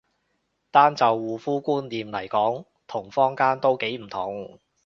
單就護膚觀念嚟講同坊間都幾唔同